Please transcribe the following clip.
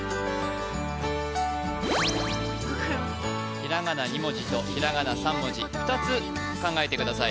ひらがな２文字とひらがな３文字２つ考えてください